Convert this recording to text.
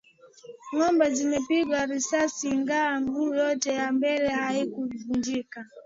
Ng'ombe zimepigwa risasi ingawa miguu yote ya mbele haikuvunjika.